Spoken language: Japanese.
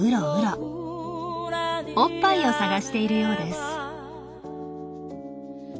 おっぱいを探しているようです。